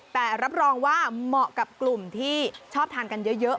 แต่รับรองว่าเหมาะกับกลุ่มที่ชอบทานกันเยอะ